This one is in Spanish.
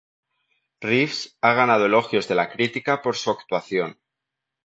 Reeves ha ganado elogios de la crítica por su actuación.